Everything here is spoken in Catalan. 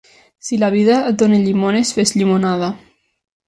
Si la vida et dona llimones, fes llimonada